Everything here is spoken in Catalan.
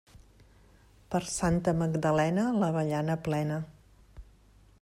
Per Santa Magdalena, l'avellana plena.